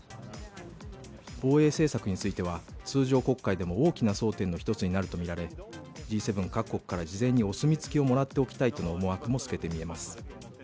防衛政策については、通常国会でも大きな争点になるとみられＧ７各国から事前にお墨付きをもらっておきたいとの思惑も透けて見えます。